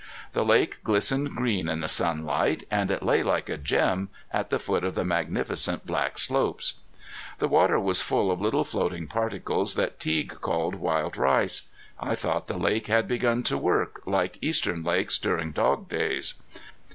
The lake glistened green in the sunlight and it lay like a gem at the foot of the magnificent black slopes. The water was full of little floating particles that Teague called wild rice. I thought the lake had begun to work, like eastern lakes during dog days.